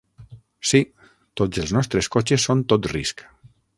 Sí, tots els nostres cotxes són tot risc.